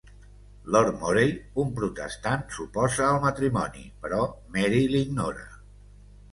Lord Moray, un protestant, s'oposa al matrimoni, però Mary l'ignora.